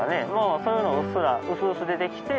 そういうのがうっすら薄々出てきて。